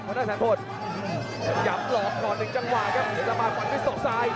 ข้างหน้าแผนพนธ์ย้ำหลอกขอหนึ่งจังหว่าครับเดี๋ยวจะมากว่าไม่สดสาย